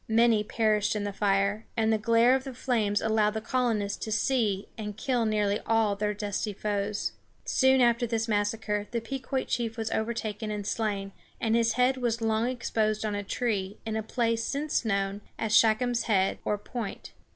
Many perished in the fire, and the glare of the flames allowed the colonists to see and kill nearly all their dusky foes. Soon after this massacre, the Pequot chief was overtaken and slain, and his head was long exposed on a tree, in a place since known as Sachems Head, or Point.